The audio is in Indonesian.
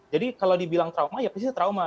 jadi kalau dibilang trauma ya persis trauma